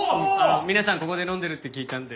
皆さんここで飲んでるって聞いたんで。